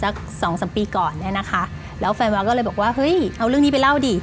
สองสามปีก่อนเนี่ยนะคะแล้วแฟนวาวก็เลยบอกว่าเฮ้ยเอาเรื่องนี้ไปเล่าดิ